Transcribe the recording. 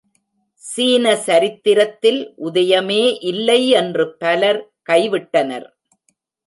சீன சரித்திரத்தில் உதயமே இல்லை என்று பலர் கைவிட்டனர்.